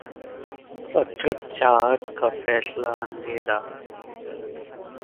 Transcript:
अतृप्त चाहत का फैलता अंधेरा...